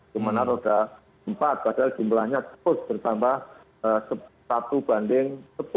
kemudian roda empat padahal jumlahnya terus bertambah satu banding sepuluh